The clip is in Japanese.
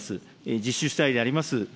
実施主体であります